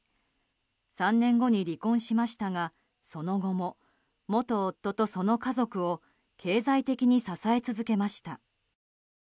３年後に離婚しましたがその後も、元夫とその家族を経済的に支え続けました。